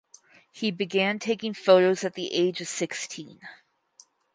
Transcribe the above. He began taking photos at the age of sixteen.